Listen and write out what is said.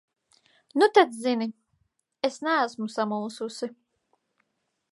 Nu tad zini: es neesmu samulsusi.